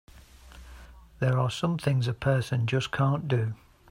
There are some things a person just can't do!